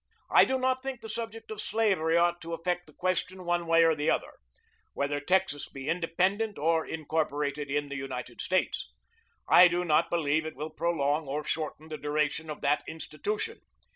I do not think the subject of slavery ought to affect the question one way or the other, whether Texas be independent or incorporated in the United States. I do not believe it will prolong or shorten the duration of that institution.